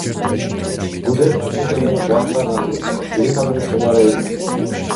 ბუდეს აკეთებენ ზღვასთან ახლოს, ძირითადად მცენარეებით.